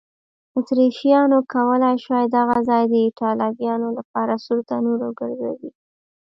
اتریشیانو کولای شوای دغه ځای د ایټالویانو لپاره سور تنور وګرځوي.